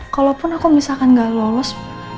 kalaupun aku misalkan gak lolos